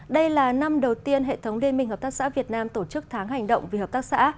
đây là năm đầu tiên hệ thống liên minh hợp tác xã việt nam tổ chức tháng hành động vì hợp tác xã